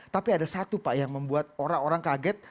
tapi ada satu pak yang membuat orang orang kaget